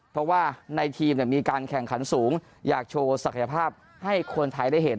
เพราะว่าในทีมมีการแข่งขันสูงอยากโชว์ศักยภาพให้คนไทยได้เห็น